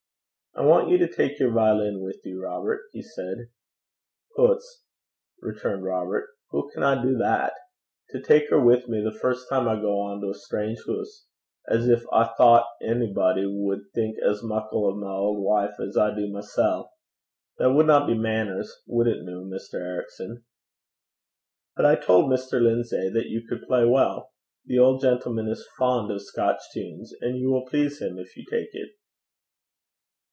'I want you to take your violin with you, Robert,' he said. 'Hoots!' returned Robert, 'hoo can I do that? To tak her wi' me the first time I gang to a strange hoose, as gin I thocht a'body wad think as muckle o' my auld wife as I do mysel'! That wadna be mainners wad it noo, Mr. Ericson?' 'But I told Mr. Lindsay that you could play well. The old gentleman is fond of Scotch tunes, and you will please him if you take it.'